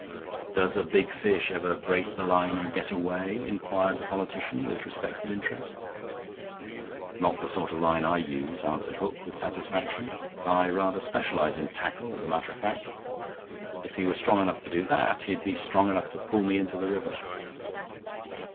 "Does a big fish ever break the line and get away?" inquired the politician, with respectful interest. "Not the sort of line I use," answered Hook, with satisfaction. "I rather specialize in tackle, as a matter of fact. If he were strong enough to do that, he'd be strong enough to pull me into the river."